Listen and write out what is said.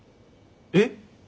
えっ？